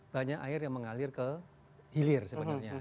banyak air yang mengalir ke hilir sebenarnya